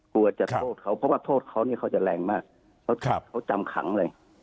กลัวจะโทษเขาเพราะว่าโทษเขาเนี่ยเขาจะแรงมากเขาจำขังเลย